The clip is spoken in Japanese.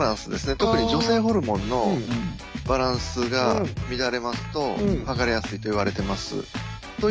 特に女性ホルモンのバランスが乱れますと剥がれやすいといわれてます。